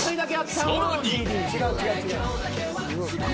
さらに。